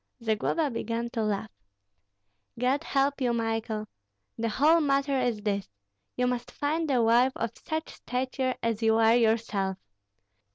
Zagloba began to laugh. "God help you, Michael! The whole matter is this, you must find a wife of such stature as you are yourself.